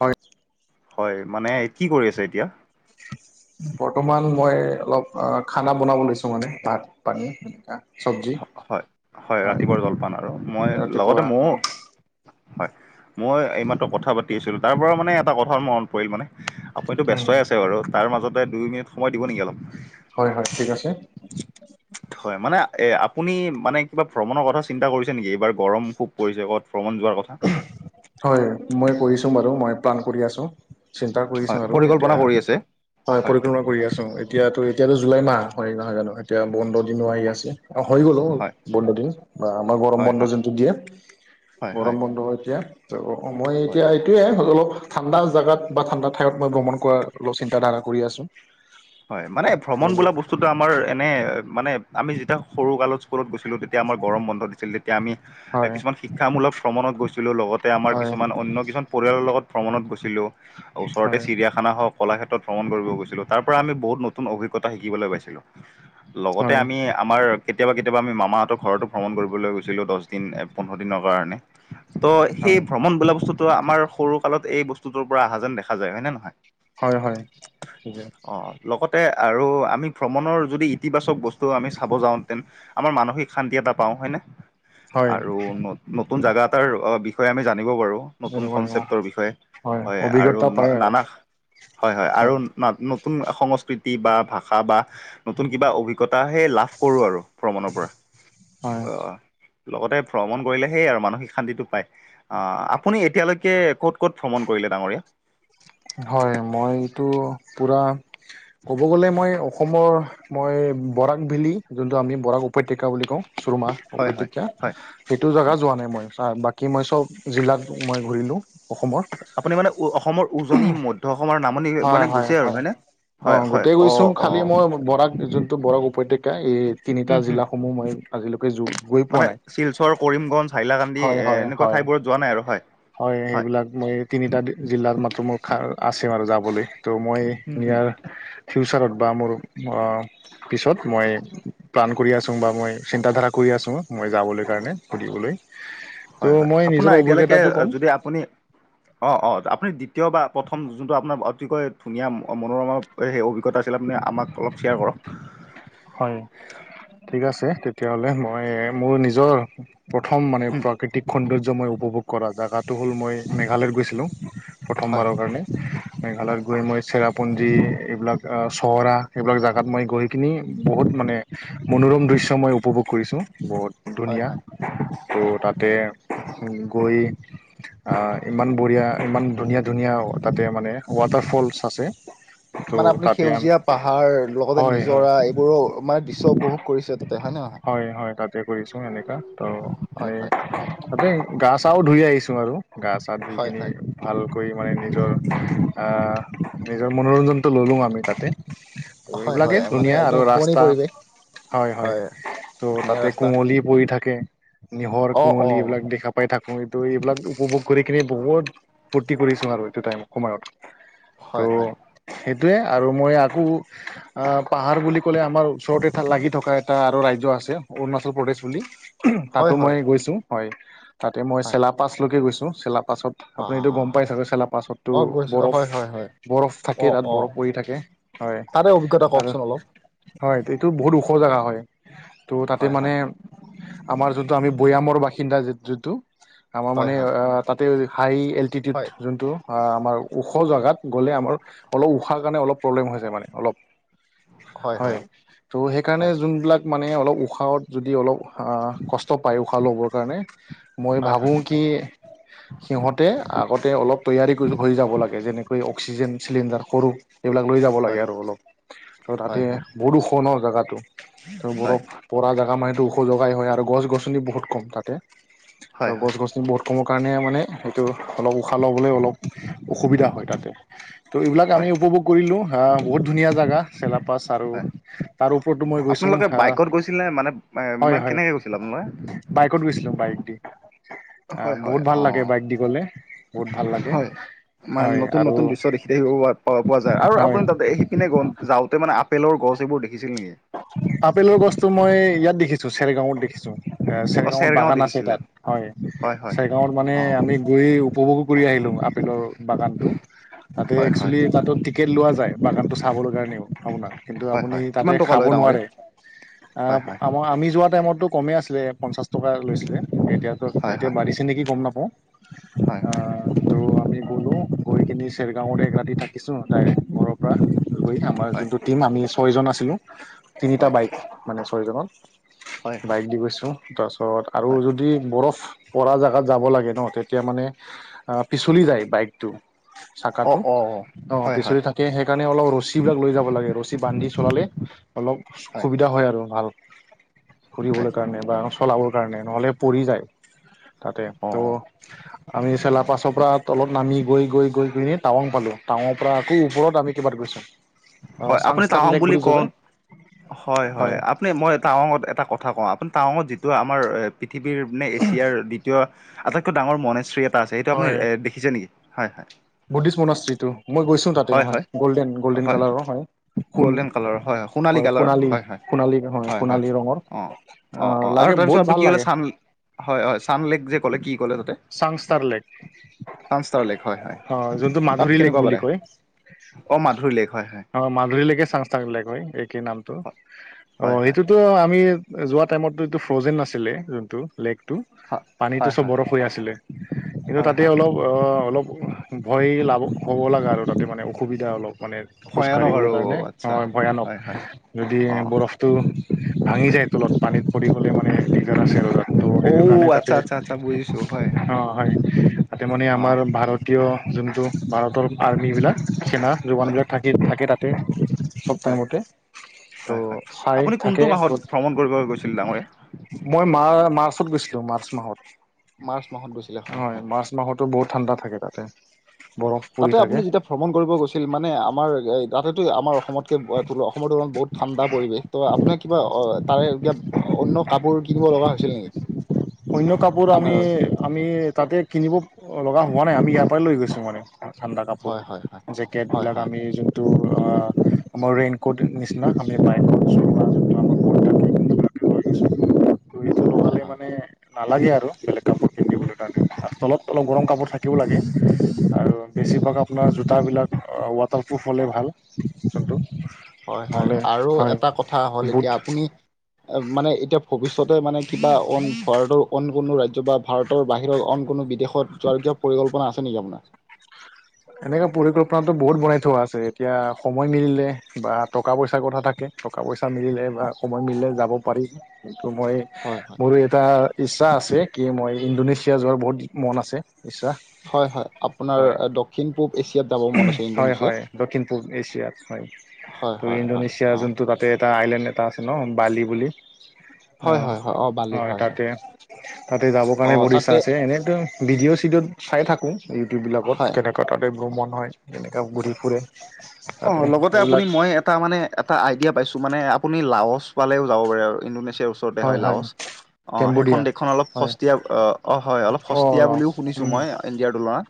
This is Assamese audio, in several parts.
হয়। হয়, মানে কি কৰি আছে এতিয়া? বৰ্তমান মই অলপ খানা বনাব লৈছোঁ মানে, ভাত পানী চব্জি হয়- হয়, ৰাতিপুৱাৰ জলপান আৰু মই লগতে ৰাতিপুৱা মইয়ো হয়, মই এইমাত্ৰ কথা পাতি আছিলোঁ। তাৰ পৰা মানে এটা কথা মনত পৰিল মানে। আপুনিতো উম ব্যস্তই আছে বাৰু, তাৰ মাজতে দুই মিনিট সময় দিব নেকি অলপ। হয়- হয় ঠিক আছে। হয়, মানে আপুনি মানে কিবা ভ্ৰমণৰ কথা চিন্তা কৰিছে নেকি? এইবাৰ গৰম খুব পৰিছে ক'ত ভ্ৰমণ যোৱাৰ কথা। হয়, মই কৰিছোঁ বাৰু। মই প্লান কৰি আছোঁ। চিন্তা কৰিছো হয় আৰু পৰিকল্পনা এতিয়া কৰি আছে হয় পৰিকল্পনা কৰি আছোঁ। এতিয়াতো- এতিয়াতো জুলাই মাহ হয় নহয় জানো, এতিয়া বন্ধ দিনো আহি আছে। অ, হৈ গ'লো, হয় বন্ধ দিন বা আমাৰ গৰম হয় বন্ধ হয় যোনটো দিয়ে। হয় হয় গৰম বন্ধ এতিয়া ত, সময়ই হয় এতিয়া এইটোৱে হলেও ঠাণ্ডা জাগাত বা ঠাণ্ডা ঠাইয়ত মই ভ্ৰমণ কৰাৰ অলপ চিন্তাধাৰা কৰি আছোঁ হয় মানে ভ্ৰমণ বোলা বস্ স্তুটো আমাৰ এনে মানে আমি যেতিয়া সৰু কালত স্কুলত গৈছিলো তেতিয়া আমাৰ গৰম বন্ধ দিছিল তে তিয়া আমি হয় কিছুমান শিক্ষামূলক ভ্ৰমণত গৈছিলোঁ লগতে আমাৰ হয় কিছুমান অন্য কিছুমান পৰিয়ালৰ লগত ভ্ৰমণত গৈছিলোঁ ওচৰতে হয় চিৰিয়াখানা হওক কলাক্ষেত্ৰত ভ্ৰমণ কৰিব গৈছিলোঁ। তাৰ পৰা আমি বহুত নতুন অভিজ্ঞতা শিকিবলৈ পাইছিলো লগতে হয় আমি আমাৰ কেতিয়াবা কেতিয়াবা আমি মামাহঁতৰ ঘৰতো ভ্ৰমণ কৰিবলৈ গৈছিলোঁ দহ দিন, পোন্ধৰ দিনৰ কাৰণে ত' সেই হয় ভ্ৰমণ বোলা বস্তুটো আমাৰ সৰু কালত এই বস্তুটোৰ পৰা অহা যেন দেখা যায় হয় নে নহয়? হয় হয় থিকে অ লগতে আৰু আমি ভ্ৰমণৰ যদি ইতিবাচক বস্তু আমি চাব যাওঁতেন আমাৰ মানসিক শান্তি এটা পাওঁ হয় নে হয় আৰু ন নতুন জাগা এটাৰ বিষয়ে আমি জানিব পাৰো নতুন জানিব লাগিব কনচেপ্টৰ বিষয়ে হয় আৰু অভিজ্ঞতা পায় আৰু নানা হয় হয় আৰু ন নতুন সংস্কৃতি বা ভাষা বা নতুন কিবা অভিজ্ঞতা সেই লাভ কৰোঁ আৰু ভ্ৰমণৰ পৰা হয় লগতে ভ্ৰমণ কৰিলে সেই আৰু মানসিক শান্তিটো পায় অ আপুনি এতিয়ালৈকে ক'ত ক'ত ভ্ৰমণ কৰিলে ডাঙৰীয়া? হয় মই এইটো পুৰা ক'ব গ'লে মই অসমৰ মই বৰাক ভেলী যোনটো আমি বৰাক উপত্যকা বুলি কওঁ চুুৰমাহ হয় হয় উপত্যকা হয় সেইটো জাগা যোৱা নাই মই, বাকী মই সৱ জিলাত মই ঘূৰিলো অসমৰ। আপুনি মানে অসমৰ উজনি, মধ্য অসমৰ, নামনি হয় মানে হয় গৈছে আৰু হয় হয়নে? হয় অ' হয় গোটেই অ গৈছুঙ অ খালি মই বৰাক যোনটো বৰাক উপত্যকা এই তিনিটা হুম হুম জিলা সমূহ মই আজিলৈকে যো গৈ পোৱা মানে নাই, শিলচৰ কৰিমগঞ্জ হাইলাকান্দি হয় এ হয় এনেকুৱা হয়। ঠাইবোৰত যোৱা নাই আৰু হয় হয় সেইবিলাক মই তিনিটা জিলাত মাথু মোৰ খাৰ আছে আৰু যাবলে। ত' মই হুম হুম নিয়াৰ ফিউচাৰত বা মোৰ অ পিছত মই প্লান কৰি আচুং বা মই চিন্তাধাৰা কৰি আচুং মই যাবলৈ কাৰণে ফুৰিবলৈ। হয় ত' হয়, মই নিজৰ আপোনাৰ এতিয়ালৈকে অভিজ্ঞতাটো ক'ম যদি আপুনি অ'অ আপুনি দ্বিতীয় বা প্ৰথম যোনটো অপোনাৰ অতিকৈ ধুনীয়া মনোৰমা সেই অভিজ্ঞতা আছিল আপুনি আমক অলপ শ্বেয়াৰ কৰক। হয় ঠিক আছে তেতিয়া হ'লে মই মোৰ নিজৰ প্ৰথম মানে হুম প্ৰাকৃতিক সৌন্দৰ্যময় উপভোগ কৰা জেগাটো হ'ল মই মেঘালয়ত গৈছিলুং হয় প্ৰথমবাৰৰ কাৰণে, মেঘালয়ত হয় গৈ মই চেৰাপুঞ্জী এইবিলাক। চহৰা সেইবিলাক জেগাত মই গৈ কিনি বহুত মানে মনোৰম দৃশ্য মই উপভোগ কৰিছোঁ বহুত হয় ধুনীয়া। হয় হয় ত' তাতে গৈ ইমান বঢ়িয়া, ইমান ধুনীয়া ধুনীয়া তাতে মানে ৱাটাৰফলছ আছে। ত' মানে আপুনি তাতে সেউজীয়া পাহাৰ লগতে হয় হয় নিজৰা এইবোৰো মানে দৃশ্য উপভোগ কৰিছে তাতে হয় নে? নহয় হয় হয় তাতে কৰিছো এনেকা ত' হয় এই। হয় তাতেই গা চাও ধুই আহিছো আৰু গা চা ধুই হয় কিনি হয় ভালকৈ মানে নিজৰ আ নিজৰ মনোৰঞ্জনটো ল'লোঁ আমি তাতে। ত হয় হয় এইবিলাকেই মানে ধুনীয়া আৰু একদম শুৱনি ৰাস্তা পৰিৱেশ হয় হয় ত' ধুনীয়া তাতে ৰাস্তা কুৱলী পৰি থাকে। নিয়ৰ, অ অ কুঁৱলী এইবিলাক দেখা পাই থাকো এইটো এইবিলাক উপভোগ কৰি কিনি বহুত ফূৰ্তি কৰিছো আৰু এইটো টাইম সময়ত। ত' হয় হয়। সেইটোৱে আৰু মই আকৌ পাহাৰ আ বুলি ক'লে আমাৰ ওচৰতে লাগি থকা- এটা আৰু ৰাজ্য আছে অৰুণাচল প্ৰদেশ বুলি, হয় তাতো হয় মই গৈছো, হয়। তাতে মই হয় চেলাপাছলৈকে গৈছো। চেলাপাছত- বা আপুনিটো গম পাই চাগে! চেলা পাছতো অ গৈছো বৰফ, হয় হয় হয় বৰফ থাকে অ তাত অ বৰফ পৰি থাকে। হয়, তাৰে অভিজ্ঞতা কওকচোন আৰু- অলপ হয়, এইটো বহুত ওখ জেগা হয়। ত' তাতে হয় হয় মানে- আমাৰ যোনটো আমি ভৈয়ামৰ বাসিন্দা যিটো- আমাৰ হয় মানে হয় আ তাতে হাই হয় এল্টিটিউড যোনটো- অঁ, আমাৰ ওখ জাগাত গ'লে আমাৰ অলপ উশাহ কাৰণে অলপ প্ৰব্লেম হৈ যায় মানে অলপ। হয় হয় হয়্ ত' সেইকাৰণে হয় যোনবিলাক মানে অলপ উশাহত যদি অলপ- অঁ, কষ্ট পায় উশাহ ল'বৰ কাৰণে, মই হয় হয় হয় ভাবো- কি? সিহঁতে আগতে অলপ তৈয়াৰী হৈ যাব লাগে। যেনেকৈ অক্সিজেন- চিলিণ্ডাৰ সৰু এইবিলাক লৈ যাব লাগে আৰু অলপ। ত' হয় হয় তাতে হয় বহুত ওখ ন জেগাটো। ত হয় বৰফ পৰা জেগা মানেহটো ওখ জগাই হয় আৰু গছ -গছনি বহুত কম তাতে। ত হয় গছ -গছনি বহুত- কম কাৰণে মানে সেইটো অলপ উশাহ ল'বলৈ অলপ অসুবিধা হয় তাতে। ত' এইবিলাক আমি হয় উপভোগ কৰিলো আহ বহুত ধুনীয়া জাগা চেলা পাছ আৰু হয় তাৰ ওপৰতো মই গৈছোঁ। আপোনালোকে বাইকত গৈছিলেনে মানে মা হয় কেনেকে গৈছিলে আপোনালোকে? বাইকত গৈছিলো বাইক দি। আহ, হয় হয় বহুত ভাল অ লাগে বাইক দি গ'লে, বহুত ভাল লাগে। হয় মানে হয় নতুন আৰু নতুন দৃশ্য দেখি থাকিব প- পোৱা যায় আৰু হয় আপুনি তাতে সিপিনে- যাওঁতে মানে আপেলৰ গছ এইবোৰ দেখিছিল নেকি? আপেলৰ গছতো মই ইয়াত দেখিছো চেৰেগাঁওত দেখিছো, এ অ চেৰেগাঁওত চেৰগাঁও বাগান আছে দেখিছিলে তাত। হয়, চাইগাঁৱত অ মানে অ আমি গৈ উপভোগো কৰি আহিলো আপেলৰ বাগানটো। তাতে হয় হয় একচুৱেলি তাতো টিকেট লোৱা যায় বাগানতো চাবলৈ কাৰণেও আপোনাৰ। কিন্তু হয় আপুনি হয় তাত- কিমান টকা খাব লয় ডাঙৰীয়া নোৱাৰে। হয় আহ- হয় আমাৰ আমি যোৱা টাইমতটো কমে আছিলে পঞ্চাশ টকা লৈছিলে, এতিয়াতো হয় এতিয়া হয় বাঢ়িছে। নেকি গম নাপাওঁ। হয়, হয়। তো আমি গলোঁ, গৈ কিনি চেৰেগাঁওত এক ৰাতি থাকিছো ডাইৰেক্ট- পৰা লৈ। আমাৰ হয় যোনটো টিম আমি ছয়জন আছিলোঁ। তিনিটা হয় বাইক মানে ছয়জনত হয় হয় বাইক দি গৈছোঁ। তাৰপিছত আৰু হয় যদি বৰফ- পৰা জাগাত যাব লাগে ন তেতিয়া মানে আ পিছলি যায় বাইকটো- অ চাকাটো অ অ অহ হয় হয় পিচলি থাকে। সেইকাৰণে অলপ ৰছীবিলাক লৈ যাব লাগে, ৰছী বান্ধি চলালে- অলপ সুবিধা হয় আৰু ভাল হয় ফুৰিবলৈ কাৰণে বা- চলাবৰ কাৰণে নহ'লে পৰি যায়। তাতে অ তো' আমি চেলা পাছৰ পৰা তলত নামি গৈ- গৈ -গৈ পিনি- টাৱাং পালো, টাৱাংৰ পৰা আকৌ ওপৰত আমি কিবাত গৈছোঁ হয় আপুনি চাংষ্টাৰ টাৱাং লেক বুলি কওঁ কয়। হয়, হয়। আপুনি, মই টাৱাঙত এটা কথা কওঁ আপুনি টাৱাঙত যিটো আমাৰ- পৃথিৱীৰ মানে এছিয়াৰ দ্বিতীয় আটাইতকৈ ডাঙৰ মনেশ্ৰী এটা আছে, সেইটো আপুনি হয় এ- দেখিছে নেকি? হয়, হয়। বুদ্ধিষ্ট মনস্ত্ৰীটো, মই গৈছো তাতে। অহ, হয় গ'ল্ডেন গল্ডেন কালাৰৰ হয়। সোণ গ'ল্ডেন কালাৰৰ হয়, সোণালী কালাৰ। হয়, হয়, হয়, হয়, অঁহ। অহ আহ অহ লাগে আৰু বহুত তাৰপিছত আপুনি ভাল কি ক'লে লাগে চান হয় হয় ছান লেক যে ক'লে কি ক'লে তাতে চাংস্তাৰলেক চামস্তাৰ লেক হয় হয় অ যোনটো তাত মাধুৰী লেক কেনেকুৱা বুলি পালে কয় অ মাধুৰী লেক হয় হয় অহ মাধুৰীলেকে চাংস্তাৰলেক হয় একে নামটো হয় অহ হয় সেইটোত টো আমি এ যোৱা টাইমতটো এইটো ফ্ৰজেন নাছিলে যোনটো লেক টো হয় পানীটো হয় হয় চব বৰফ হৈ আছিলে কিন্তু হয় তাতে হয় অলপ অহ অলপহ ভয় লাগো হ'ব লগা আৰু তাতে মানে অসুবিধা অলপ মানে খোজ ভয়ানক কঢ়িবলৈ আৰু কাৰণে আচ্ছা হয় ভয়ানক হয় হয় যদি অ বৰফ টো ভাঙি যায় তলত পানীত পৰি গলে মানে দিগদাৰ আছে আৰু তো' ঔ সেইকাৰণে তাতে আচ্ছা আচ্ছা আচ্ছা বুজিছো হয় অ হয় তাতে মানে অ আমাৰ ভাৰতীয় যোনটো ভাৰতৰ আৰ্মিবিলাক সেনা হয় জোৱানবিলাক থাকে থাকে তাতে সব হয় টাইমতে ত হয় হয় চাই আপুনি কোনটো থাকে মাহত বত ভ্ৰমণ কৰিব গৈছিল ডাঙৰীয়া মই মাৰ মাৰ্চত গৈছিলো মাৰ্চ মাহত মাৰ্চ মাহত গৈছ হয় মাৰ্চ মাহতো বহুত ঠাণ্ডা থাকে তাতে অহ বৰফ পৰি তাতে থাকে আপুনি যেতিয়া ভ্ৰমণ কৰিব গৈছিল মানে আমাৰ এই তাতো তুই আমাৰ অসমতকে ব তোল অসমৰ তুলনাত বহুত ঠাণ্ডা পৰিৱেশ ত আপোনাৰ কিবা অ তাৰে অ অন্য কাপোৰ কিনিব লগা হৈছিল নেকি অন্য কাপোৰ আমি ঠাণ্ডাৰ আমি তাতে কিনিব লগা হোৱা নাই আমি ইয়াৰ পৰাই লৈ গৈছোঁ মানে ঠাণ্ডা কাপোৰ হয় হয় হয় জেকেট হয় বিলাক হয় আমি যোন [inaudible] আমাৰ ৰেইন কোট নিচিনা আমি বাইকত চলোৱা [unintelligible] ত এইটো হয় লগালে হয় মানে নালাগে আৰু বেলেগ কাপোৰ পিন্ধিবলৈ কাৰণে তলত অলপ গৰম কাপোৰ থাক। কিও লাগে। আৰু বেছিভাগ আপোনাৰ জোতাবিলাক আ ৱাটাৰপ্ৰুফ হ'লে ভাল যোনটো। হয়, হয় নহ'লে আৰু হয় এটা কথা হ'ল বুট এতিয়া আপুনি এ মানে এতিয়া ভৱিষ্যতে মানে কিবা অন ভাৰতৰ অন কোনো ৰাজ্য বা ভাৰতৰ বাহিৰৰ অন কোনো বিদেশ শত যোৱাৰ কিয় পৰিকল্পনা আছে নেকি আপোনা এনেকুৱা পৰিকল্পনাটো বহুত বনাই থোৱা আছে। এতিয়া সময় মিলিলে বা টকা পইচাৰ কথা থাকে। টকা পইচা মিলিলে বা সময় মিলিলে যাব পাৰি। কিন্তু মই হয়, হয়। মোৰো এটা ইচ্ছা আছে। কি মই ইণ্ডোনেছিয়া যোৱাৰ বহুত মন আছে ইচ্ছা হয়, হয়, আপোনাৰ‌‌ এ‌ দক। উহঁ, হয়, হয় দক্ষিণ পূব এছিয়াত হয়। হয় ত হয় হয় ইণ্ডোনেছিয়াৰ অ যোনটো তাতে এটা আইলেণ্ড এটা আছে ন বালি বুলি। অ হয় হয় হয় অ বালি হয় তাতে, তাতে যাব অ কাৰণে বহুত তাতে আছে। এনেইতো ভিডিঅ' চিডিঅ'ত চাই থাকোঁ। ইউটিউবিলাকত হয় কেনেকুৱা তাতে ভ্ৰমন হয়। এনেকা ঘূৰি ফুৰে। অ তাতে লগতে আপুনি সেইবিলাক মই এটা মানে এটা আইডিয়া পাইছো মানে আপুনি লাৱচ পালেও যাব পাৰে আৰু ইণ্ডোনেছিয়াৰ ওচৰতে হয়, লাৱচ। অ সেইখন কেম্বোডিয়া দেশখন অলপ হয় সস্তীয়া অ অঁ হয়। অলপ অ' সস্তীয়া লাওচ বুলিও শুনিছো উম মই ইণ্ডিয়াৰ তুলনাত।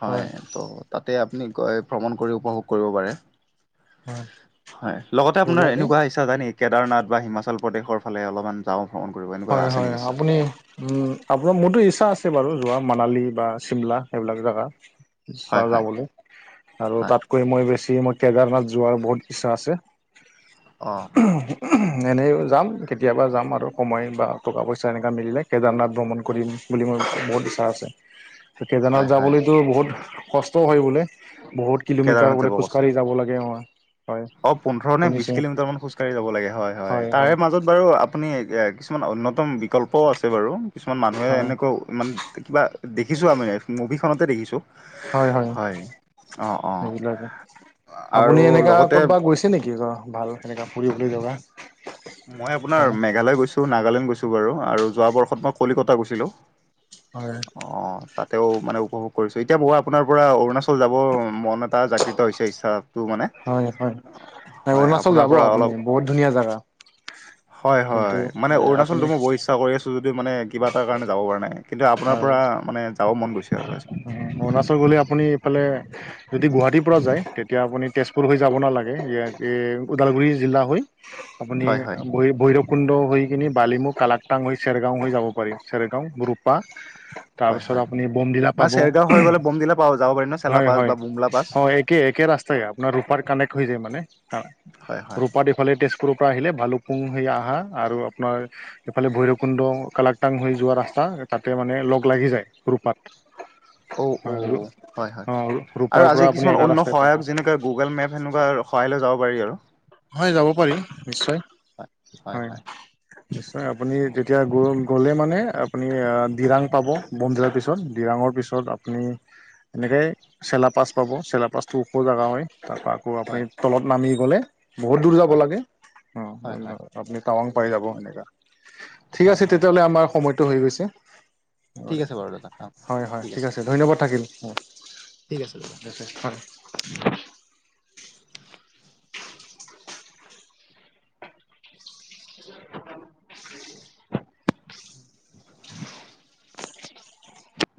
হয় ত' তাতে আপুনি ক এ ভ্ৰমণ কৰি উপভোগ কৰিব পাৰে। হয় হয় লগতে আপোনাৰ সেইবিলাকেই এনেকুৱা ইচ্ছা যাই নেকি কেদাৰনাথ বা হিমাচল প্ৰদেশৰ ফালে অলমান। যাওঁ ভ্ৰমণ কৰিব এনেকুৱা হয় আছে হয় নেকি ইচ্ছা। আপুনি উম আপোনাৰ মোৰতো ইচ্ছা আছে বাৰু যোৱা মানালী বা চিমলা এইবিলাক জাগা ইচ্ছা হয় হয় যাবলে আৰু হয় তাত কৈ মই বেছি ম‌ই কেদাৰনাথ যোৱাৰ বহুত ইচ্ছা আছে। অ এনেইও যাম কেতিয়াবা যাম আৰু। সময় বা টকা পইচা এনেকা মিলিলে কেদাৰনাথ ভ্ৰমণ কৰিম বুলি মোৰ বহুত ইচ্ছা আছে। কেদাৰনাথ হয় হয় যাবলৈতো বহুত কষ্টও হয় বোলে। বহুত। কিলোমিটাৰ কেদাৰনাথ যাব বোলে কষ্ট খোজকাঢ়ি যাব লাগে। অমাৰ। অ পোন্ধৰ নে বিশ কিলোমিটাৰ মান খোজকাঢ়ি যাব লাগে হয়, হয়। তাৰে মাজত। বাৰু আপুনি এ কিছুমান অন্যতম বিকল্পও আছে বাৰু কিছুমান মানুহে হয় এনেকও। ইমানতে কিবা দেখিছোঁ আমি মানে মভিখনতে দেখিছোঁ। হয়, হয় অ অ সেইবিলাকে আপুনি আৰু এনেকা। লগতে ক'তবা গৈছে নেকি ৰ ভাল এনেকা ফুৰিবলৈ জগা। মই আপোনাৰ মেঘালয় গৈছোঁ, নাগালেণ্ড গৈছোঁ বাৰু, আৰু যোৱা বৰ্ষত মই কলিকতা গৈছিলোঁ। হয়। অঁ তাতেওঁ মানে উপভোগ কৰিছোঁ। এতিয়া মউ আপোনাৰ পৰা অৰুণাচল যাবৰ মন এটা জাগৃত হৈছে ইচ্ছা। হয়, হয় এ অৰুণাচল আপোনাৰ যাব পৰা অলপ আপুনিও বহুত ধুনীয়া জাগা। হয়, হয় মানে আপুনি অৰুণাচলটো মই বৰ ইচ্ছা কৰি আছো যদিও মানে কিবা এটা কাৰণে যাব পৰা নাই। কিন্তু আপোনাৰ পৰা মানে যাব মন গৈছে আৰু আজি। অ অৰুণাচল গ'লে আপুনি এইফালে যদি গুৱাহাটীৰ পৰা যায় তেতিয়া আপুনি তেছপুৰ‌ হৈ যাব নালাগে। এ এই ওদালগুৰি জিলা হৈ। [inaudible] আপুনি হয়, এম ভৈ ভৈৰৱকুণ্ড হৈ কিনি বালিমু কালাকটাং হৈ চেৰগাঁও হৈ যাব পাৰি চেৰগাঁও ৰ্ৰূপ। বাহ হয়, তাৰপিছত হয়। আপুনি বমডিলা মানে পাব। চেৰগাঁও হৈ গ'লে বমদিলা পা যাব পাৰিম ন' চেলা হয়, পাছ হয়, বা বুমলা পাছ। হয় একে একে ৰাছ হয় আপোনাৰ ৰূপাৰ কানেক্ট হৈ যায় মানে অ হয়, হয়। ৰূপাডি ফালে তেছপুৰৰ পৰা আহিলে, ভালুকপুং হৈ আহা আৰু আপোনাৰ। এইফালে ভৈৰৱকুণ্ড কালাকটাং হৈ যোৱা, ৰাস্তা তাতে মানে লগ লাগি যায় ৰুপাত। অউ অ হয় হয় অঁ আৰু ৰূপাৰ আজি পৰা আপুনি কিছুমান এটা অন্য ৰাস্তাই পাব সহায়ক যেনেকে গুগল মেপ‌? সেনেকুৱাৰ সহায় লৈ যাব পাৰি আৰু হয় যাব পাৰি নিশ্চয় হয় নিশ্চয় আপুনি অ, যেতিয়া গ গ'লে মানে আপুনি আ ডিৰাং পাব। বনধিয়াৰ পিছত ডিৰাঙৰ পিছত আপুনি। এনেকে চেলাপাছ পাব চেলাপাছটো ওপৰ জেগা হয় তাৰপা। আকৌ হয় আপুনি তলত নামি গ'লে বহুত দূৰ যাব হয় লাগে অ। হয় হয় আপুনি টাৱাং পাই যাব সেনেকা ঠিক হয় আছে হয় তেতিয়াহ'লে আমাৰ সময়টো হৈ গৈছে। হ'ব ঠিক দে আছে বাৰু দাদা অ হয় হয় ঠিক আছে ধন্যবাদ থাকিল উ ঠিক আছে দাদা। হয়, [inaudible] [unintelligible]